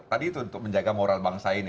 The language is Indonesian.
tadi itu untuk menjaga moral bangsa ini